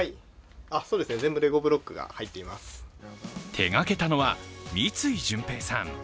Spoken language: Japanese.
手がけたのは、三井淳平さん。